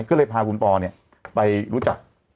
ก็เลยพาคุณปอร์เนี่ยไปรู้จัก